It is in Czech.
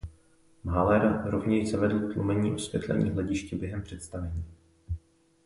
Mahler rovněž zavedl tlumení osvětlení hlediště během představení.